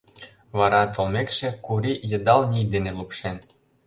Вара, толмекше, Курий йыдал ний дене лупшен.